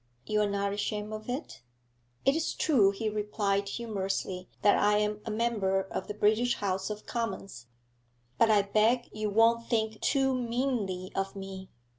'You are not ashamed of it?' 'It is true,' he replied humorously, 'that I am a member of the British House of Commons, but I beg you won't think too meanly of me.